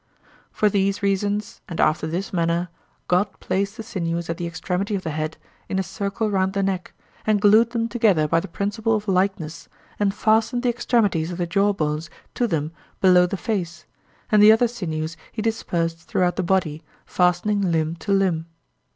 For these reasons and after this manner God placed the sinews at the extremity of the head, in a circle round the neck, and glued them together by the principle of likeness and fastened the extremities of the jawbones to them below the face, and the other sinews he dispersed throughout the body, fastening limb to limb.